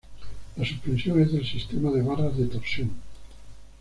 La suspensión es del sistema de barras de torsión.